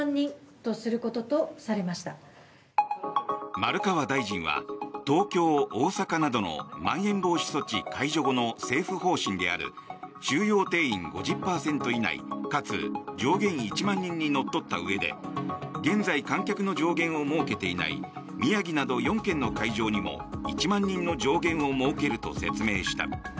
丸川大臣は東京、大阪などのまん延防止措置解除後の政府方針である収容定員５０％以内かつ上限１万人にのっとったうえで現在、観客の上限を設けていない宮城など４県の会場にも１万人の上限を設けると説明した。